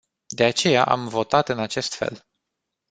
De aceea am votat în acest fel.